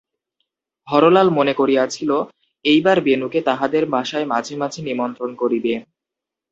হরলাল মনে করিয়াছিল, এইবার বেণুকে তাহাদের বাসায় মাঝে মাঝে নিমন্ত্রণ করিবে।